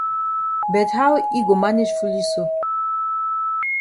But how yi go manage foolish so?